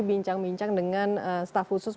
bincang bincang dengan staf khusus